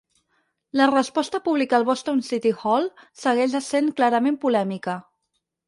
La resposta pública al Boston City Hall segueix essent clarament polèmica.